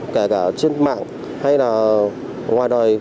kể cả trên mạng hay là ngoài đời